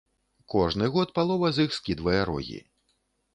Кожны год палова з іх скідвае рогі.